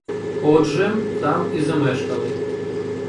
Отже, там і замешкали.